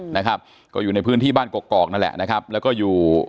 นะครับก็อยู่ในพื้นที่บ้านกอกนั่นแหละนะครับแล้วก็อยู่